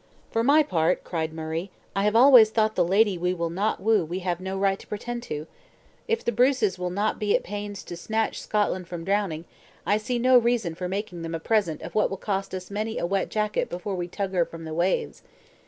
"For my part," cried Murray, "I have always thought the lady we will not woo we have no right to pretend to. If the Bruces will not be at the pains to snatch Scotland from drowning, I see no reason for making them a present of what will cost us many a wet jacket before we tug her from the waves.